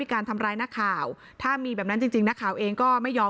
การทำร้ายนักข่าวถ้ามีแบบนั้นจริงจริงนักข่าวเองก็ไม่ยอม